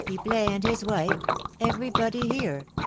Pipelet and his wife! Everybody here!